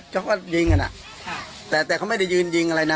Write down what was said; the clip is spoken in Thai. พวกไว้อะไรนะแต่ไม่ได้ยินยิงอะไรนะ